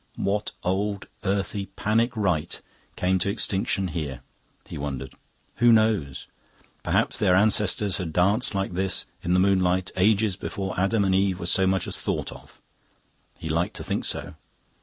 What old, earthy, Panic rite came to extinction here? he wondered. Who knows? perhaps their ancestors had danced like this in the moonlight ages before Adam and Eve were so much as thought of. He liked to think so.